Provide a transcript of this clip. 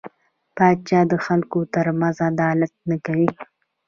پاچا د خلکو ترمنځ عدالت نه کوي .